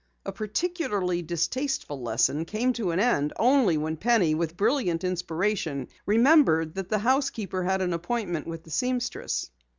A particularly distasteful lesson came to an end only when Penny, with brilliant inspiration, remembered that the housekeeper had an appointment with the seamstress.